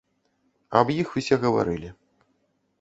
Аб іх усе гаварылі.